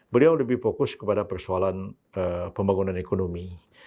beliau lebih fokus kepada persoalan pembangunan ekonomi